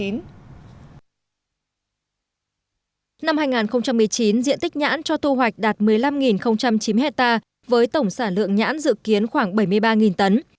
năm hai nghìn một mươi chín diện tích nhãn cho thu hoạch đạt một mươi năm chín mươi hectare với tổng sản lượng nhãn dự kiến khoảng bảy mươi ba tấn